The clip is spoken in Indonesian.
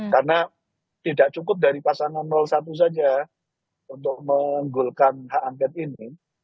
karena tidak cukup dari pasangan satu saja untuk menggulkan hak angkat ini